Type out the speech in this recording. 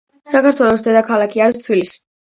საქართველოს დედაქალაქი არის თბილისი.